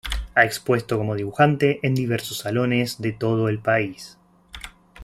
Ha expuesto como dibujante en diversos salones de todo el país.